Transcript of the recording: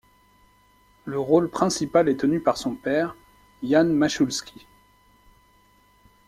Le rôle principal est tenu par son père, Jan Machulski.